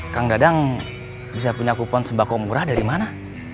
kang dadang bisa punya kupon sembako murah dari mana